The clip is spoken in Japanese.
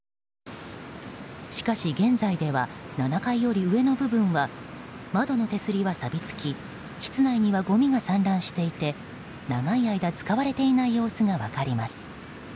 しかし、現在では７階より上の部分は窓の手すりは錆びつき室内にはごみが散乱していて長い間、使われていない様子が分かります。